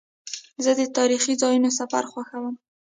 زه د تاریخي ځایونو سفر خوښوم.